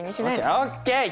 ＯＫ！